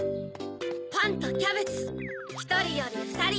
パンとキャベツひとりよりふたり！